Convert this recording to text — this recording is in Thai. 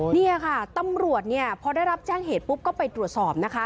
นี่ค่ะตำรวจเนี่ยพอได้รับแจ้งเหตุปุ๊บก็ไปตรวจสอบนะคะ